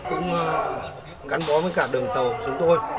cũng gắn bó với cả đường tàu chúng tôi